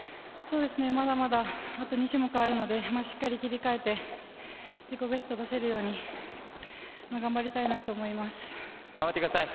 まだまだあと２種目あるのでしっかり切り替えて自己ベスト出せるように頑張ってください。